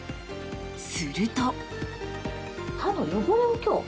すると。